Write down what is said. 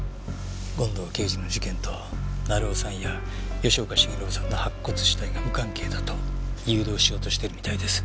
権藤刑事の事件と成尾さんや吉岡繁信さんの白骨死体が無関係だと誘導しようとしてるみたいです。